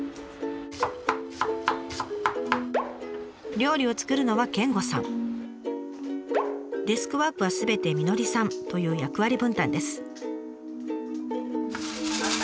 料理を作るのは健吾さんデスクワークはすべてみのりさんという役割分担です。